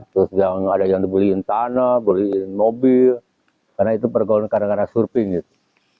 terus ada yang dibeliin tanah beliin mobil karena itu pergaulan kadang kadang surfing gitu